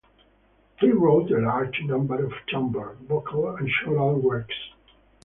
He wrote a large number of chamber, vocal and choral works.